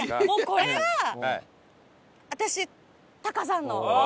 これは私タカさんの。